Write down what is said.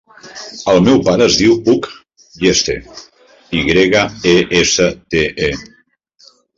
El meu pare es diu Hug Yeste: i grega, e, essa, te, e.